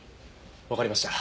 わかりました。